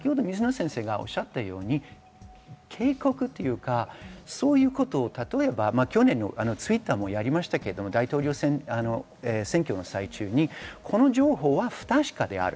水野先生がおっしゃったように警告というか、そういうことを去年のＴｗｉｔｔｅｒもやりましたが、大統領選挙の最中にこの情報は不確かである。